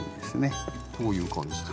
こういう感じで。